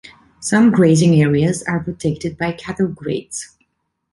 Some grazing areas are protected by cattle grids.